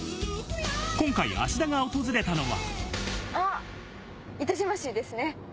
今回、芦田が訪れたのは。